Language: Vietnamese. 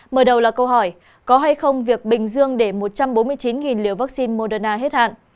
mở đầu là câu hỏi có hay không việc bình dương để một trăm bốn mươi chín liều vaccine moderna hết hạn